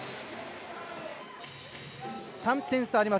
３点差あります。